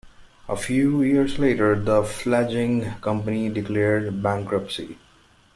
A few years later the fledgling company declared bankruptcy.